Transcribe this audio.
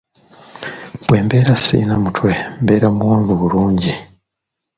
Bwe mbeera sirina mutwe mbeera muwanvu bulungi.